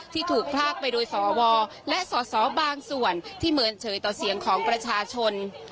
ที่ถูกภากไปด้วยสวและสบส่วนที่เหมือนเฉยเจาะเสี่ยงของประชาชน